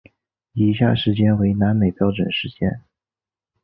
以下时间为南美标准时间。